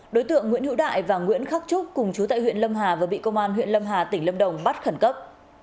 đối tượng nguyễn hữu đại và nguyễn khắc trúc cùng chú tại huyện lâm hà vừa bị công an huyện lâm hà tỉnh lâm đồng bắt khẩn cấp